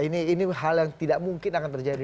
ini hal yang tidak mungkin akan terjadi